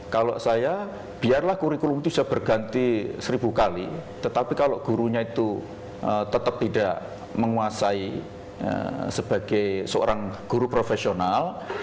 kalau saya biarlah kurikulum itu saya berganti seribu kali tetapi kalau gurunya itu tetap tidak menguasai sebagai seorang guru profesional